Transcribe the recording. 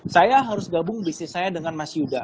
saya harus gabung bisnis saya dengan mas yuda